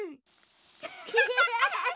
アハハハハ！